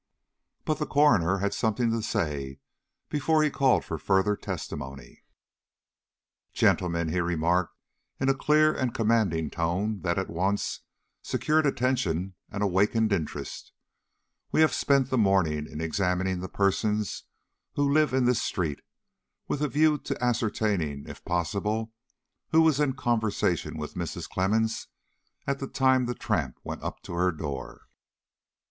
But the coroner had something to say before he called for further testimony. "Gentlemen," he remarked, in a clear and commanding tone that at once secured attention and awakened interest, "we have spent the morning in examining the persons who live in this street, with a view to ascertaining, if possible, who was in conversation with Mrs. Clemmens at the time the tramp went up to her door."